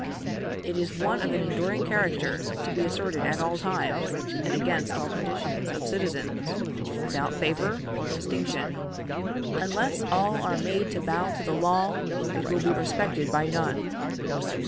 It is one of an enduring character, to be asserted at all times, and against all conditions of citizens without favor or distinction. Unless all are made to bow to the law, it will be respected by none.